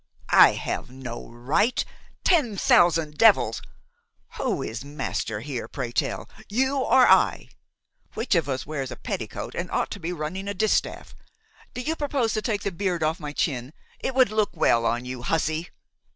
"I have no right, ten thousand devils. Who is master here, pray tell, you or I? Which of us wears a petticoat and ought to be running a distaff? Do you propose to take the beard off my chin? It would look well on you, hussy!"